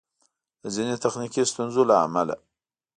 د ځیني تخنیکي ستونزو له امله